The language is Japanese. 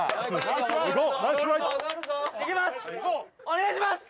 お願いします！